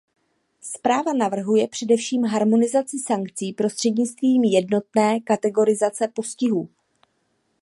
Zpráva navrhuje především harmonizaci sankcí prostřednictvím jednotné kategorizace postihů.